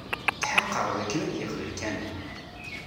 Tḥeqqeɣ d akken ad yeqbel Kamal.